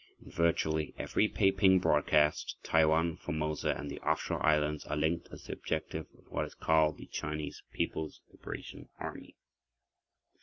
In virtually every Peiping broadcast, Taiwan (Formosa) and the offshore islands are linked as the objective of what is called the "Chinese Peoples Liberation Army".